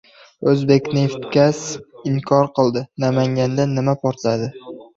«O‘zbekneftgaz» inkor qildi. Namanganda nima portladi?